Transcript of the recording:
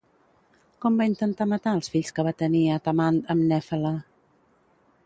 Com va intentar matar als fills que va tenir Atamant amb Nèfele?